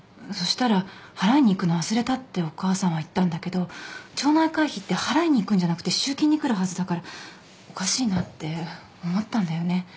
そしたら払いに行くの忘れたってお母さんは言ったんだけど町内会費って払いに行くんじゃなくて集金に来るはずだからおかしいなって思ったんだよね。